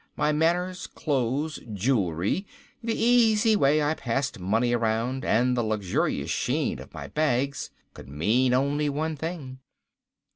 My manner, clothes, jewelry, the easy way I passed money around and the luxurious sheen of my bags, could mean only one thing.